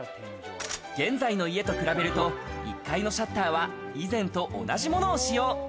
現在の家と比べると１階のシャッターは以前と同じものを使用。